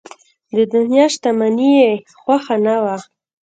د دنیا شتمني یې خوښه نه وه.